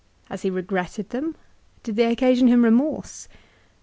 Has he regretted them ? Did they occasion him remorse